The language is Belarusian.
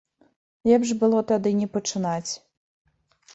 Лепш было тады не пачынаць.